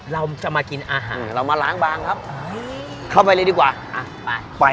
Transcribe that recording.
เราจะมากินอาหารเรามาล้างบางครับเข้าไปเลยดีกว่าอ่ะไปไป